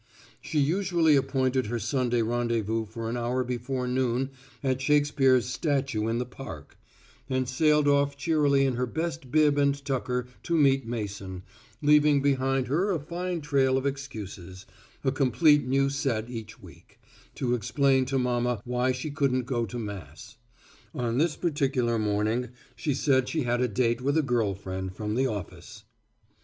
She usually appointed her Sunday rendezvous for an hour before noon at Shakespeare's statue in the Park, and sailed off cheerily in her best bib and tucker to meet Mason, leaving behind her a fine trail of excuses, a complete new set each week, to explain to mama why she couldn't go to mass. On this particular morning she said she had a date with a girl friend from the office.